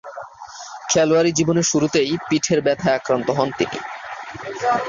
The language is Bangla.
খেলোয়াড়ী জীবনের শুরুতেই পিঠের ব্যথায় আক্রান্ত হন।